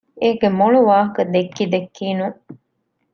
އޭގެ މޮޅު ވާހަކަ ދެއްކި ދެއްކީނުން